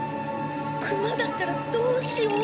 クマだったらどうしよう。